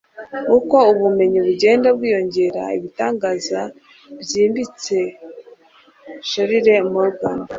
uko ubumenyi bugenda bwiyongera, ibitangaza byimbitse. - charles morgan